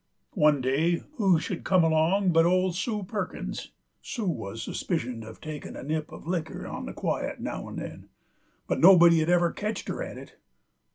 One day who should come along but ol' Sue Perkins; Sue wuz suspicioned uv takin' a nip uv likker on the quiet now 'nd then, but nobody had ever ketched her at it.